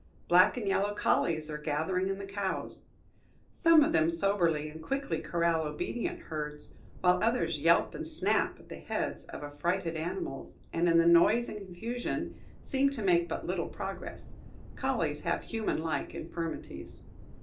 Black and yellow collies are gathering in the cows, some of them soberly and quickly corral obedient herds, while others yelp and snap at the heads of the affrighted animals, and in the noise and confusion seem to make but little progress. Collies have human like infirmities.